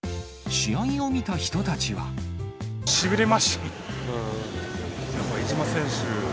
しびれました。